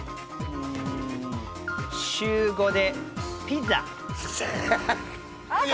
週５でピザ。